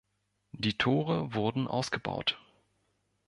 Die Tore wurden ausgebaut.